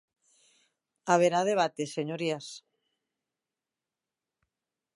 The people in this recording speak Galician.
Haberá debate, señorías.